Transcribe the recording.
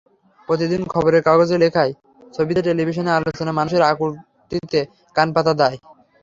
প্রতিদিন খবরের কাগজের লেখায়, ছবিতে, টেলিভিশনের আলোচনায় মানুষের আকুতিতে কান পাতা দায়।